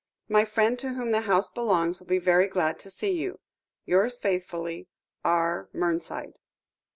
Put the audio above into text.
My friend to whom the house belongs, will be very glad to see you. "Yours faithfully, "R. MERNSIDE."